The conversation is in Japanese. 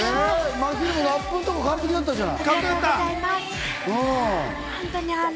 まひる、ラップのところ完璧だったじゃない！